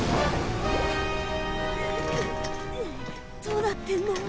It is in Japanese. どうなってんの？